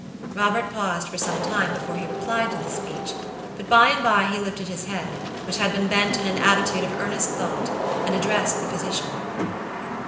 Robert paused for some time before he replied to this speech; but, by and by, he lifted his head, which had been bent in an attitude of earnest thought, and addressed the physician.